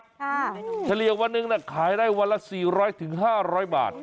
ค่ะถ้าเรียกว่านึงนะขายได้วันละ๔๐๐ถึง๕๐๐บาท